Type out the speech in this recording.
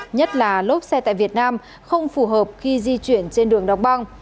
nhất là lốp xe tại việt nam không phù hợp khi di chuyển trên đường đọc băng